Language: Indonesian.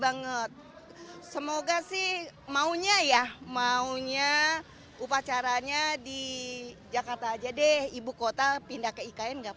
banget semoga sih maunya ya maunya upacaranya di jakarta aja deh ibu kota pindah ke ikn enggak